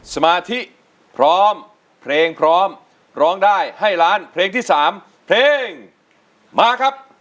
สมาธิพร้อมเพลงพร้อมร้องได้ให้ล้านเพลงที่๓เพลงมาครับ